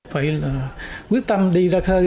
phải quyết tâm đi ra khơi